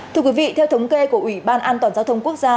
thưa quý vị theo thống kê của ủy ban an toàn giao thông quốc gia